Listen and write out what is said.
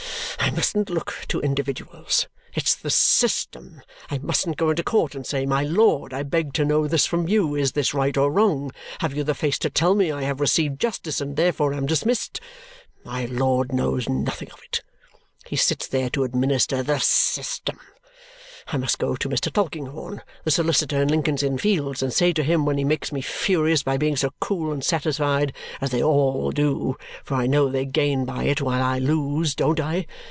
I mustn't look to individuals. It's the system. I mustn't go into court and say, 'My Lord, I beg to know this from you is this right or wrong? Have you the face to tell me I have received justice and therefore am dismissed?' My Lord knows nothing of it. He sits there to administer the system. I mustn't go to Mr. Tulkinghorn, the solicitor in Lincoln's Inn Fields, and say to him when he makes me furious by being so cool and satisfied as they all do, for I know they gain by it while I lose, don't I?